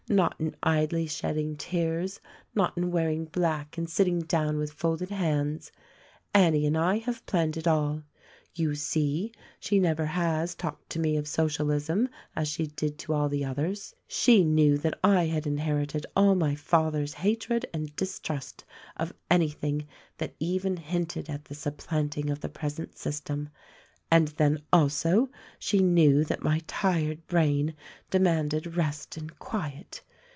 Not in idly shedding tears, not in wearing black and sit ting down with folded hands. Annie and I have planned it all. You see, she never has talked to me of Socialism as she did to all the others. She knew that I had in herited all my father's hatred and distrust of anything that even hinted at the supplanting of the present system — and then also, she knew that my tired brain demanded rest and quiet.